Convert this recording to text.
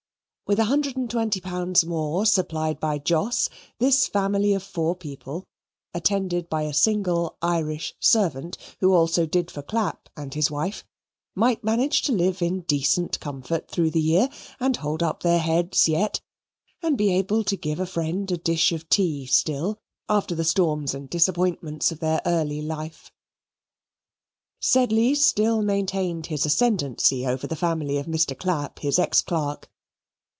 With 120_l_. more, supplied by Jos, this family of four people, attended by a single Irish servant who also did for Clapp and his wife, might manage to live in decent comfort through the year, and hold up their heads yet, and be able to give a friend a dish of tea still, after the storms and disappointments of their early life. Sedley still maintained his ascendency over the family of Mr. Clapp, his ex clerk.